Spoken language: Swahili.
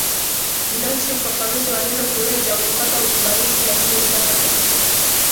binafsiUfafanuzi wa neno kulevya ulipata ukubalifu lakini utata katika